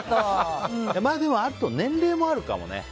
でも、あとは年齢もあるかもね。